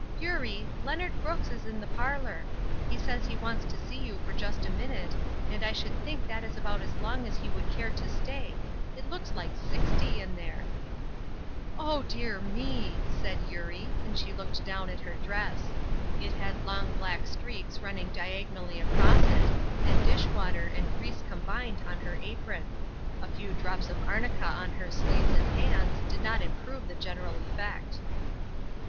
"Eurie, Leonard Brooks is in the parlor. He says he wants to see you for just a minute, and I should think that is about as long as he would care to stay; it looks like sixty in there." "Oh, dear me!" said Eurie, and she looked down at her dress. It had long black streaks running diagonally across it, and dish water and grease combined on her apron; a few drops of arnica on her sleeves and hands did not improve the general effect.